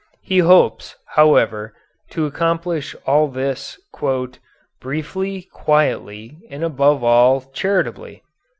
He hopes, however, to accomplish all this "briefly, quietly, and above all, charitably."